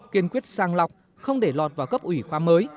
kiên quyết sang lọc không để lọt vào cấp ủy khoa mới